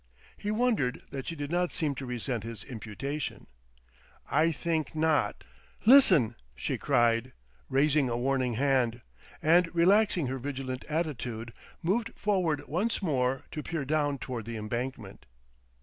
He wondered that she did not seem to resent his imputation. "I think not " "Listen!" she cried, raising a warning hand; and relaxing her vigilant attitude, moved forward once more, to peer down toward the Embankment.